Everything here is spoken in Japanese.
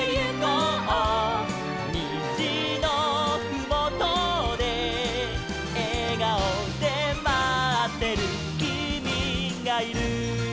「にじのふもとでえがおでまってるきみがいる」